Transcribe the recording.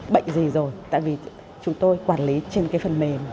bệnh gì rồi tại vì chúng tôi quản lý trên cái phần mềm